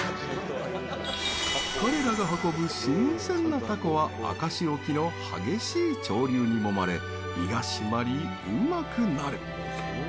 彼らが運ぶ新鮮なタコは明石沖の激しい潮流にもまれ身が締まり、うまくなる。